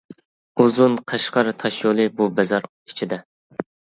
ئۇزۇن قەشقەر تاشيولى بۇ بازار ئىچىدە.